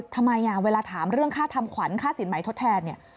ทำไมเวลาถามเรื่องค่าทำขวัญค่าสินใหม่ทดแทนเนี่ย